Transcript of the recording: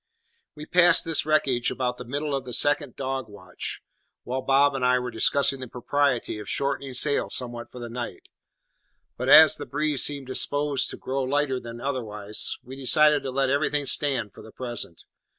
We passed this wreckage about the middle of the second dog watch, while Bob and I were discussing the propriety of shortening sail somewhat for the night; but as the breeze seemed disposed to grow lighter rather than otherwise, we decided to let everything stand for the present.